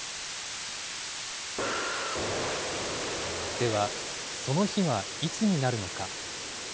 では、その日はいつになるのか。